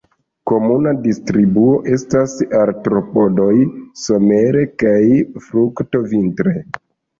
Komuna distribuo estas artropodoj somere kaj frukto vintre.